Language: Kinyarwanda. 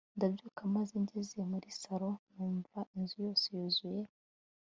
ndabyuka maze ngeze muri salon numva inzu yose yuzuye